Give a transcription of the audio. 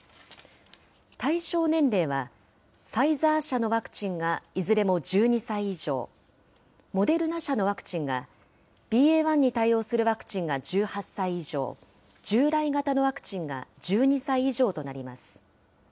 対象年齢は、ファイザー社のワクチンがいずれも１２歳以上、モデルナ社のワクチンが、ＢＡ．１に対応するワクチンが１８歳以上、従来型のワクチンが１２歳以上となります。